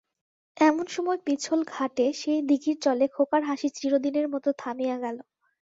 এমন সময় পিছল ঘাটে সেই দিঘির জলে খোকার হাসি চিরদিনের মতো থামিয়া গেল।